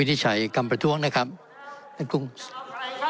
ท่านประธานที่ขอรับครับ